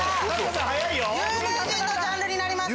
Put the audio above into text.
有名人のジャンルになります。